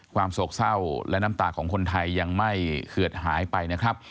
โศกเศร้าและน้ำตาของคนไทยยังไม่เขือดหายไปนะครับ